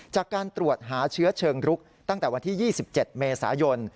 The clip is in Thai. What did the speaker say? จากการตรวจหาเชื้อเชิงรุกตั้งแต่วันที่๒๗เมษายน